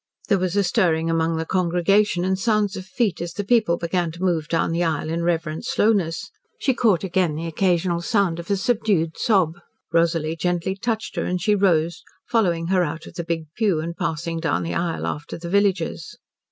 There was a stirring among the congregation, and sounds of feet, as the people began to move down the aisle in reverent slowness. She caught again the occasional sound of a subdued sob. Rosalie gently touched her, and she rose, following her out of the big pew and passing down the aisle after the villagers.